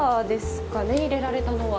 入れられたのは。